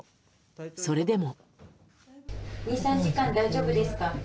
それでも。